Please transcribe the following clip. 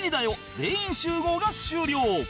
全員集合』が終了